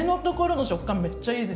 めっちゃいいですね。